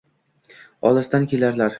Olisdan kelarlar